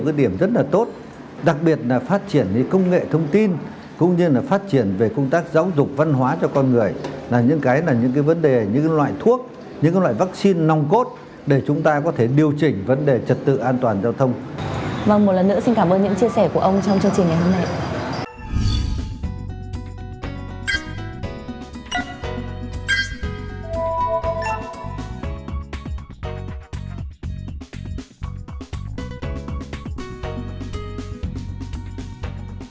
và một lần nữa xin cảm ơn những chia sẻ của ông trong chương trình này hôm nay